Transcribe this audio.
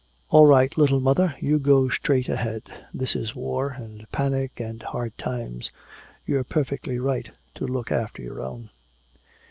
"All right, little mother, you go straight ahead. This is war and panic and hard times. You're perfectly right to look after your own."